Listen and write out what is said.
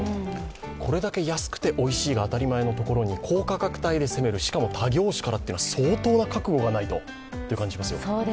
これだけ安くておいしいが当たり前のところに高価格帯で攻める、しかも他業種からっていうのは相当な覚悟がないとっていう感じがしますよ。